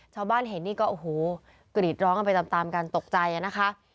ชาวบ้านเห็นนี่ก็โอ้โหกรีดร้องกันไปตามตามกันตกใจนะคะ